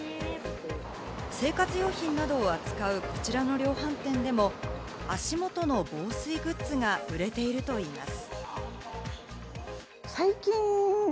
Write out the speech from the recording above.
生活用品などを扱う、こちらの量販店でも足元の防水グッズが売れているといいます。